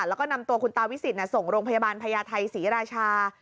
แล้วก็นำตัวคุณตาวิสิทธิ์ส่งโรงพยาบาลพญาไทยศรีราชา